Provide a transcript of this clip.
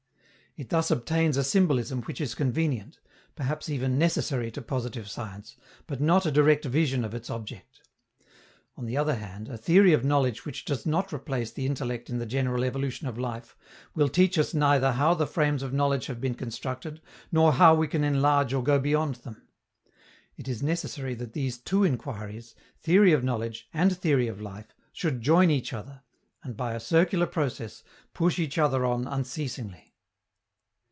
It thus obtains a symbolism which is convenient, perhaps even necessary to positive science, but not a direct vision of its object. On the other hand, a theory of knowledge which does not replace the intellect in the general evolution of life will teach us neither how the frames of knowledge have been constructed nor how we can enlarge or go beyond them. It is necessary that these two inquiries, theory of knowledge and theory of life, should join each other, and, by a circular process, push each other on unceasingly.